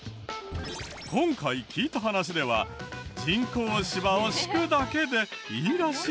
今回聞いた話では人工芝を敷くだけでいいらしい。